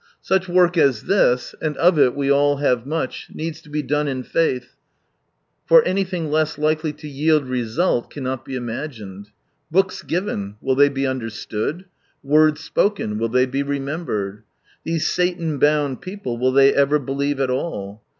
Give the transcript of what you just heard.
Such work as this — and of it we all have much, needs to be done in faith, for >« Seed ■' anything less likely to yield result cannot be imagined. Books given, will they be understood, words spoken, will tiiey he remembered ? These Satan bound people, will they ever believe at all